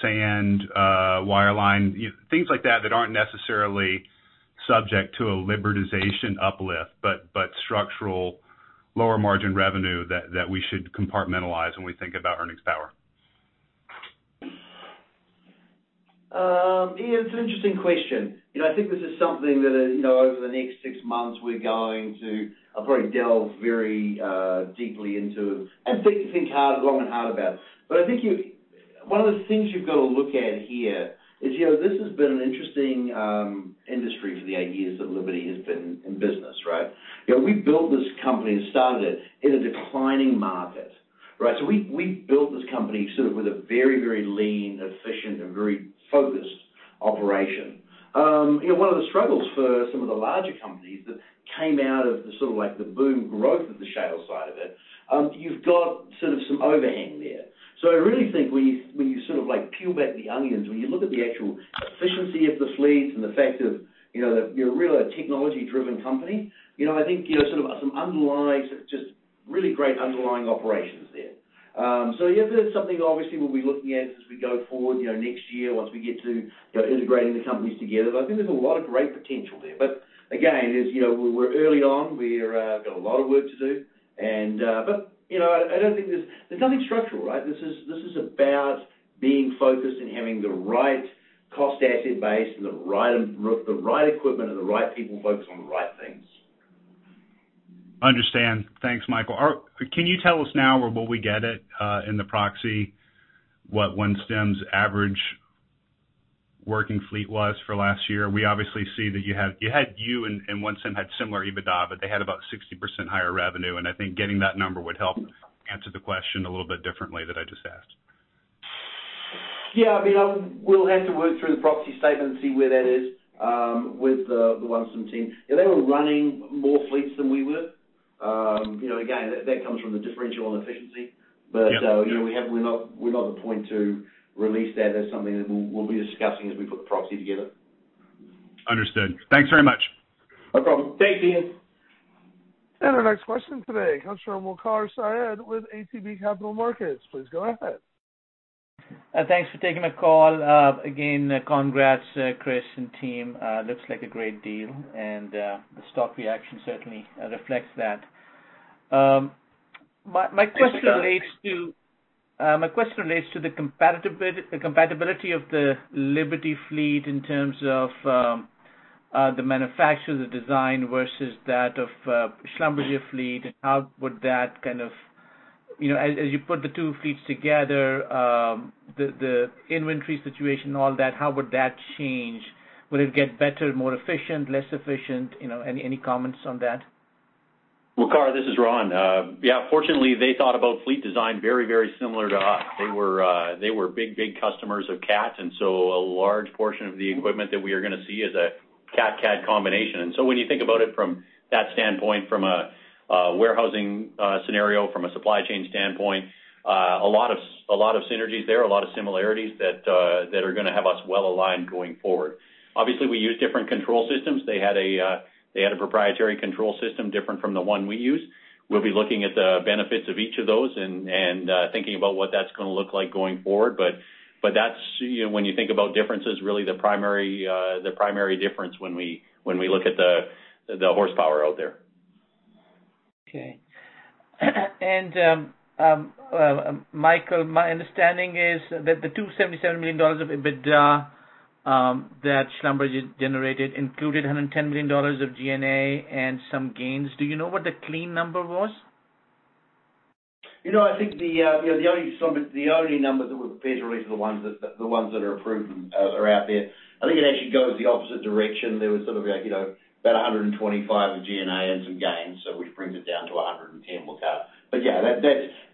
Speaker 13: sand, wireline, things like that aren't necessarily subject to a libertization uplift, but structural lower margin revenue that we should compartmentalize when we think about earnings power?
Speaker 4: Ian, it's an interesting question. I think this is something that over the next six months we're going to probably delve very deeply into and think long and hard about. I think one of the things you've got to look at here is this has been an interesting industry for the eight years that Liberty has been in business, right? We built this company and started it in a declining market, right? We built this company sort of with a very lean, efficient, and very focused operation. One of the struggles for some of the larger companies that came out of the sort of like the boom growth of the shale side of it, you've got sort of some overhang there. I really think when you sort of like peel back the onions, when you look at the actual efficiency of the fleets and the fact that you're really a technology-driven company, I think sort of some underlying really great underlying operations there. Yeah, this is something obviously we'll be looking at as we go forward next year once we get to integrating the companies together. I think there's a lot of great potential there. Again, as you know, we're early on, we've got a lot of work to do. There's nothing structural, right? This is about being focused and having the right cost asset base and the right equipment and the right people focused on the right things.
Speaker 13: Understand. Thanks, Michael. Can you tell us now or will we get it in the proxy, what OneStim's average working fleet was for last year? We obviously see that you had you and OneStim had similar EBITDA, but they had about 60% higher revenue, and I think getting that number would help answer the question a little bit differently than I just asked.
Speaker 4: Yeah, we'll have to work through the proxy statement and see where that is with the OneStim team. Yeah, they were running more fleets than we were. Again, that comes from the differential and efficiency. We're not at the point to release that. That's something that we'll be discussing as we put the proxy together.
Speaker 13: Understood. Thanks very much.
Speaker 4: No problem. Thanks, Ian.
Speaker 1: Our next question today comes from Waqar Syed with ATB Capital Markets. Please go ahead.
Speaker 14: Thanks for taking my call. Congrats, Chris and team. Looks like a great deal, the stock reaction certainly reflects that. My question relates to the compatibility of the Liberty fleet in terms of the manufacture, the design, versus that of Schlumberger fleet. As you put the two fleets together, the inventory situation and all that, how would that change? Would it get better, more efficient, less efficient? Any comments on that?
Speaker 3: Waqar, this is Ron. Yeah, fortunately, they thought about fleet design very similar to us. They were big customers of Cat, a large portion of the equipment that we are going to see is a Cat-Cat combination. When you think about it from that standpoint, from a warehousing scenario, from a supply chain standpoint, a lot of synergies there, a lot of similarities that are going to have us well-aligned going forward. Obviously, we use different control systems. They had a proprietary control system different from the one we use. We'll be looking at the benefits of each of those and thinking about what that's going to look like going forward. That's, when you think about differences, really the primary difference when we look at the horsepower out there.
Speaker 14: Okay. Michael, my understanding is that the $277 million of EBITDA that Schlumberger generated included $110 million of G&A and some gains. Do you know what the clean number was?
Speaker 4: I think the only numbers that we're prepared to release are the ones that are approved and are out there. I think it actually goes the opposite direction. There was sort of about $125 million of G&A and some gains, which brings it down to $110 million, Waqar. Yeah,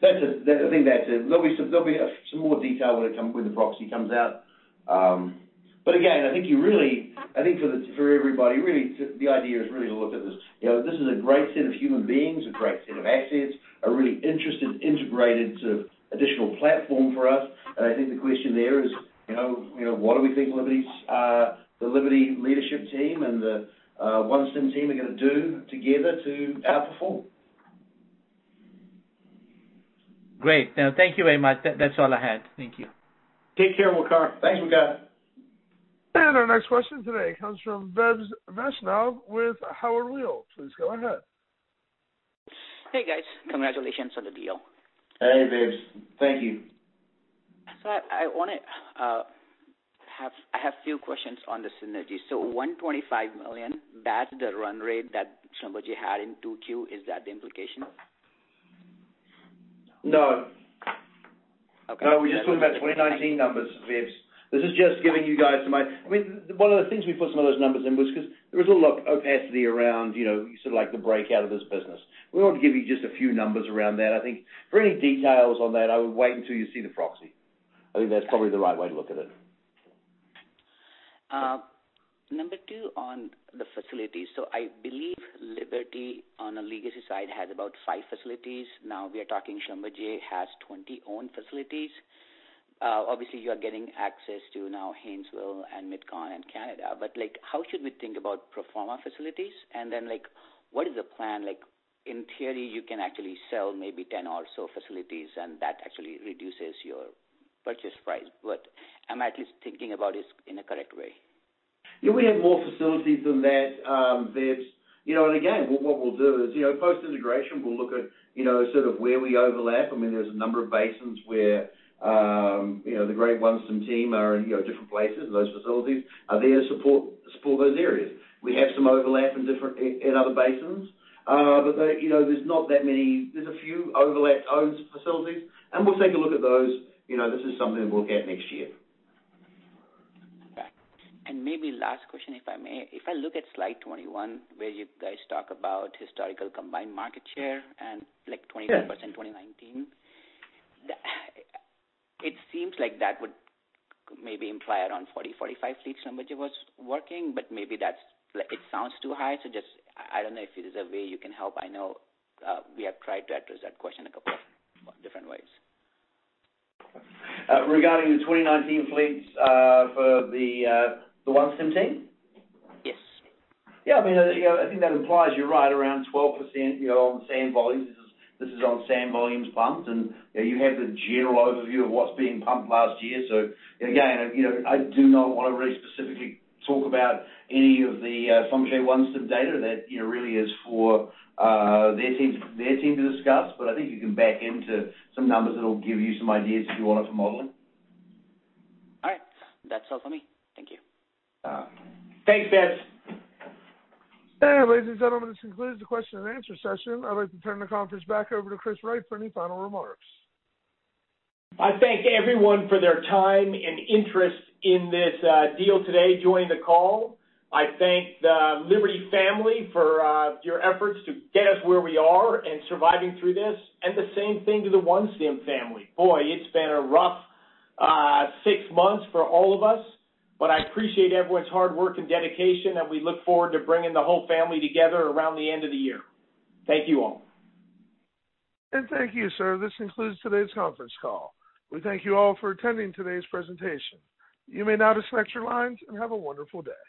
Speaker 4: there'll be some more detail when the proxy comes out. Again, I think for everybody, really, the idea is really to look at this. This is a great set of human beings, a great set of assets, a really interesting integrated additional platform for us. I think the question there is, what do we think the Liberty leadership team and the OneStim team are going to do together to outperform?
Speaker 14: Great. Thank you very much. That's all I had. Thank you.
Speaker 3: Take care, Waqar.
Speaker 4: Thanks, Waqar.
Speaker 1: Our next question today comes from Vaibhav Vaishnav with Howard Weil. Please go ahead.
Speaker 15: Hey, guys. Congratulations on the deal.
Speaker 4: Hey, Vebs. Thank you.
Speaker 15: I have a few questions on the synergy. $125 million, that's the run rate that Schlumberger had in 2Q, is that the implication?
Speaker 4: No.
Speaker 15: Okay.
Speaker 4: No, we're just talking about 2019 numbers, Vebs. This is just giving you guys some idea. One of the things we put some of those numbers in was because there was a lot of opacity around the breakout of this business. We want to give you just a few numbers around that. I think for any details on that, I would wait until you see the proxy. I think that's probably the right way to look at it.
Speaker 15: Number one on the facilities. I believe Liberty on a legacy side has about five facilities. We are talking Schlumberger has 20 owned facilities. Obviously, you are getting access to now Haynesville and Midcon and Canada. How should we think about pro forma facilities? What is the plan? In theory, you can actually sell maybe 10 or so facilities, and that actually reduces your purchase price. Am I at least thinking about this in a correct way?
Speaker 4: Yeah, we have more facilities than that, Vebs. Again, what we'll do is post-integration, we'll look at sort of where we overlap. There's a number of basins where the great OneStim team are in different places, and those facilities are there to support those areas. We have some overlap in other basins. There's a few overlap owned facilities, and we'll take a look at those. This is something we'll look at next year.
Speaker 15: Okay. Maybe last question, if I may. If I look at slide 21, where you guys talk about historical combined market share and 21% in 2019. It seems like that would maybe imply around 40, 45 fleets Schlumberger was working, but maybe it sounds too high. Just, I don't know if there is a way you can help. I know we have tried to address that question a couple of different ways.
Speaker 4: Regarding the 2019 fleets for the OneStim team?
Speaker 15: Yes.
Speaker 4: Yeah, I think that implies you're right around 12% on sand volumes. This is on sand volumes pumped, and you have the general overview of what's being pumped last year. Again, I do not want to really specifically talk about any of the Schlumberger OneStim data. That really is for their team to discuss. I think you can back into some numbers that'll give you some ideas if you want it for modeling.
Speaker 15: All right. That's all for me. Thank you.
Speaker 4: Thanks, Vebs.
Speaker 1: Ladies and gentlemen, this concludes the question and answer session. I'd like to turn the conference back over to Chris Wright for any final remarks.
Speaker 2: I thank everyone for their time and interest in this deal today joining the call. I thank the Liberty family for your efforts to get us where we are and surviving through this, and the same thing to the OneStim family. Boy, it's been a rough six months for all of us, but I appreciate everyone's hard work and dedication, and we look forward to bringing the whole family together around the end of the year. Thank you all.
Speaker 1: Thank you, sir. This concludes today's conference call. We thank you all for attending today's presentation. You may now disconnect your lines and have a wonderful day.